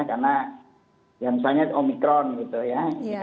karena yang misalnya omikron gitu ya